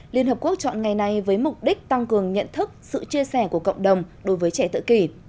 liên hợp quốc chọn ngày này với mục đích tăng cường nhận thức sự chia sẻ của cộng đồng đối với trẻ tự kỷ